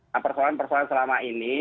nah persoalan persoalan selama ini